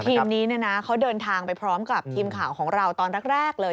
ทีมนี้เขาเดินทางไปพร้อมกับทีมข่าวของเราตอนแรกเลย